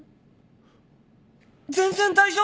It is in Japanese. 全然大丈夫！